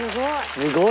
すごい！